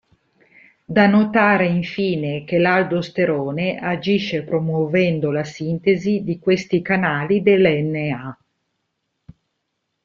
Da notare infine che l'aldosterone agisce promuovendo la sintesi di questi canali del Na.